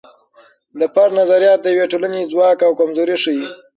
د فرد نظریات د یوې ټولنې ځواک او کمزوري ښیي.